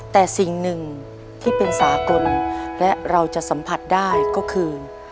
แต่สิ่งหนึ่งที่เป็นสากลและเราจะสัมผัสได้ก็คือ